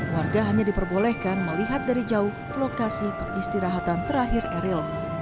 warga hanya diperbolehkan melihat dari jauh lokasi peristirahatan terakhir eril